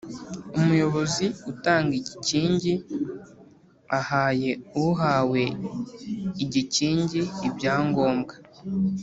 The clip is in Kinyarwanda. Umuyobozi utanga igikingi, ahaye uhawe igikingi ibyangombwa